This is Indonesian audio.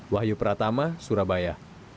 wahyu pratama surabaya